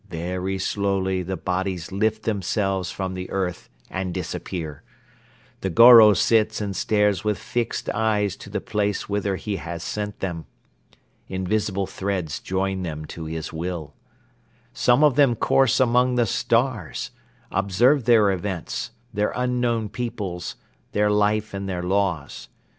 Very slowly the bodies lift themselves from the earth and disappear. The Goro sits and stares with fixed eyes to the place whither he has sent them. Invisible threads join them to his will. Some of them course among the stars, observe their events, their unknown peoples, their life and their laws.